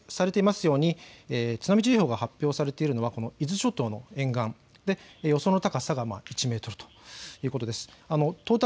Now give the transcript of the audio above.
お伝えされていますように津波注意報が発表されているのは伊豆諸島の沿岸で予想の高さは１メートルということです。